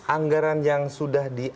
anggaran yang sudah di acc pun